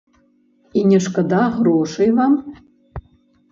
І не шкада грошай вам?